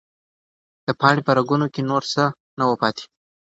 د پاڼې په رګونو کې نور څه نه وو پاتې.